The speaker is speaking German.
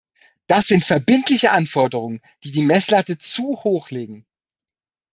Das sind verbindliche Anforderungen, die die Meßlatte zu hoch legen.